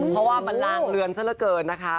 เพราะว่ามันลางเรือนซะละเกินนะคะ